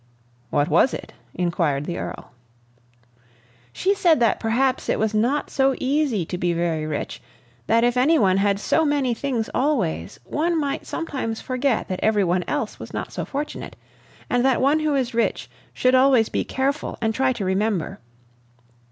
"What was it?" inquired the Earl. "She said that perhaps it was not so easy to be very rich; that if any one had so many things always, one might sometimes forget that every one else was not so fortunate, and that one who is rich should always be careful and try to remember.